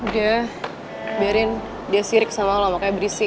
dah biarin dia sirik sama lo makanya berisik